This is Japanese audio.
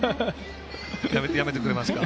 やめてくれますか。